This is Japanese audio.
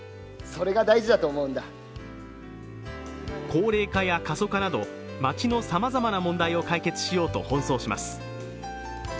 高齢化や過疎化など町のさまざまな問題を解決しようと奔走します。